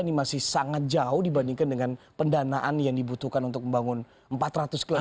ini masih sangat jauh dibandingkan dengan pendanaan yang dibutuhkan untuk membangun empat ratus kelas